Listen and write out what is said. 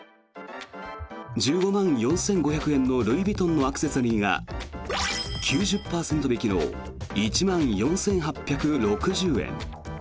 １５万４５００円のルイ・ヴィトンのアクセサリーが９０％引きの１万４８６０円。